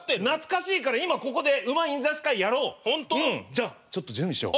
じゃちょっと準備しよう。